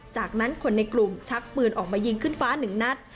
จากนั้นคนในกลุ่มชักปืนออกมายิงขึ้นฟ้าหนึ่งนัด